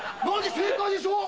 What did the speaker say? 正解でしょ？